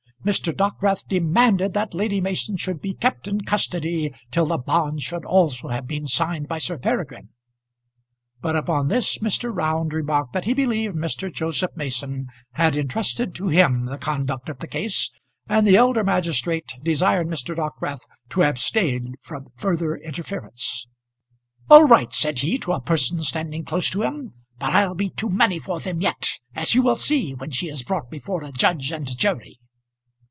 Mr. Dockwrath demanded that Lady Mason should be kept in custody till the bond should also have been signed by Sir Peregrine; but upon this Mr. Round remarked that he believed Mr. Joseph Mason had intrusted to him the conduct of the case, and the elder magistrate desired Mr. Dockwrath to abstain from further interference. "All right," said he to a person standing close to him. "But I'll be too many for them yet, as you will see when she is brought before a judge and jury."